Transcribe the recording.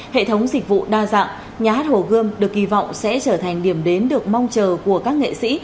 hệ thống dịch vụ đa dạng nhà hát hồ gươm được kỳ vọng sẽ trở thành điểm đến được mong chờ của các nghệ sĩ